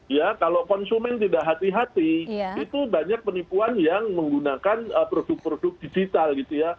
ya kalau konsumen tidak hati hati itu banyak penipuan yang menggunakan produk produk digital gitu ya